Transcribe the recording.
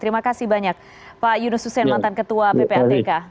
terima kasih banyak pak yunus hussein mantan ketua ppatk